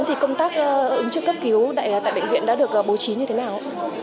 thì công tác ứng trực cấp cứu tại bệnh viện đã được bố trí như thế nào